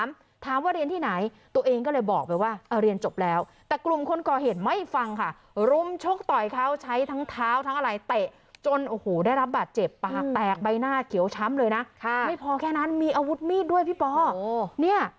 ไม่พอแค่นั้นมีอาวุธมีดด้วยพี่ป๋า